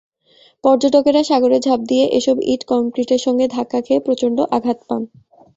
পর্যটকেরা সাগরে ঝাপ দিয়ে এসব ইট-কনক্রিটের সঙ্গে ধাক্কা খেয়ে প্রচণ্ড আঘাত পান।